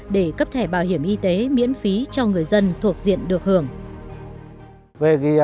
để cấp thẻ bảo hiểm y tế miễn phí cho người dân thuộc diện được hưởng